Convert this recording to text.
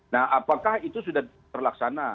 nah apakah itu sudah terlaksana